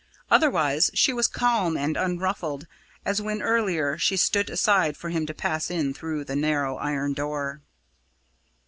Otherwise, she was calm and unruffled, as when earlier she stood aside for him to pass in through the narrow iron door.